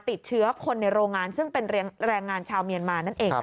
ติดเชื้อคนในโรงงานซึ่งเป็นแรงงานชาวเมียนมานั่นเอง